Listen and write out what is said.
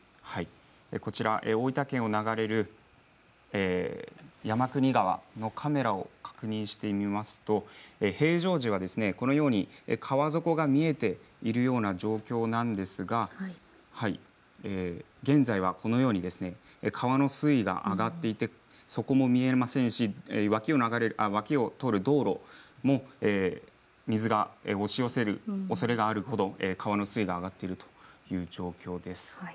こちら大分県を流れる山国川、カメラを確認してみますと平常時はこのように川底が見えているような状況なんですが現在はこのように川の水位が上がっていて底も見えませんし脇を通る道路に水が押し寄せるおそれがあるほど川の水位が上がっている状況です。